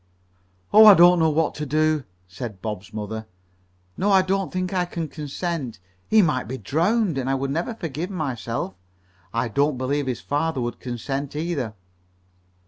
"Oh, I don't know what to do," said Bob's mother. "No, I don't think I can consent. He might be drowned, and I would never forgive myself. I don't believe his father would consent either."